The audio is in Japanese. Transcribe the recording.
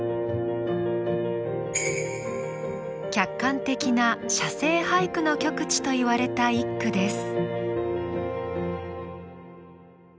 客観的な写生俳句の極致といわれた一句です。